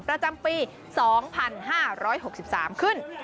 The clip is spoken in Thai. ประจำปี๒๕๖๓ขึ้น